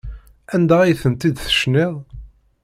Anda ay tent-id-tecniḍ?